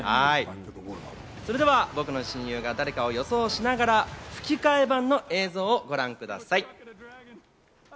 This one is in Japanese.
それで僕の親友が誰かを予想しながら吹き替え版の映像をご覧ください。